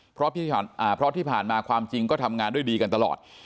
เพราะที่ผ่านมาความจริงก็ทำงานด้วยดีกันตลอด